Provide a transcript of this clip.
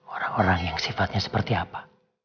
orang orang yang sifatnya seperti apa